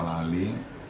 serta para ahli